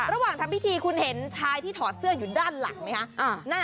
ระหว่างทำพิธีคุณเห็นชายที่ถอดเสื้ออยู่ด้านหลังไหมคะ